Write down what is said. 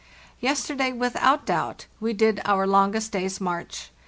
Yesterday, without doubt, we did our longest day's march.